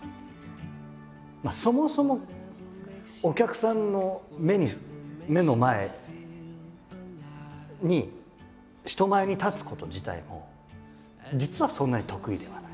そもそもお客さんの目の前に人前に立つこと自体も実はそんなに得意ではない。